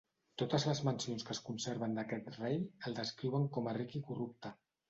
Totes les mencions que es conserven d'aquest rei el descriuen com a ric i corrupte.